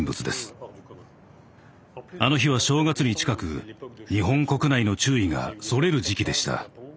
あの日は正月に近く日本国内の注意がそれる時期でした。